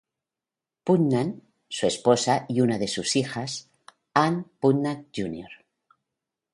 Putnam, su esposa y una de sus hijas, Ann Putnam, Jr.